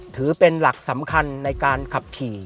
ถือเป็นหลักสำคัญในการขับขี่